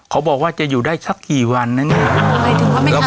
เขาบอกว่าจะอยู่ได้สักกี่วันนะเนี่ย